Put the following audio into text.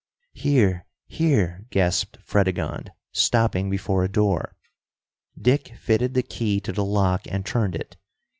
"Here! Here!" gasped Fredegonde, stopping before a door. Dick fitted the key to the lock and turned it.